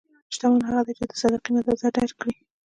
شتمن هغه دی چې د صدقې مزه درک کړي.